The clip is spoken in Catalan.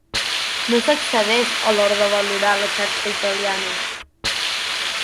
No s'excedeix a l'hora de valorar la xarxa italiana.